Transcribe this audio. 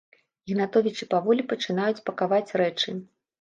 Ігнатовічы паволі пачынаюць пакаваць рэчы.